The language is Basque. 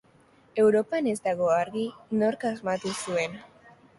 Europan ez dago argi nork asmatu zuen.